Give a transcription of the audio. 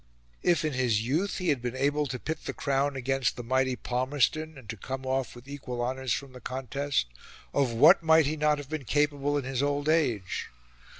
If, in his youth, he had been able to pit the Crown against the mighty Palmerston and to come off with equal honours from the contest, of what might he not have been capable in his old age?